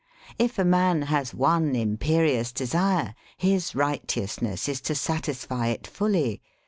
If a man has one imperious desire, his righteousness is to sat isfy it fully.